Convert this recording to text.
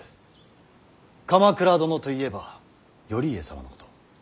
鎌倉殿といえば頼家様のこと。